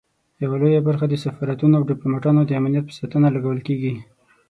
یوه لویه برخه د سفارتونو او ډیپلوماټانو د امنیت په ساتنه لګول کیږي.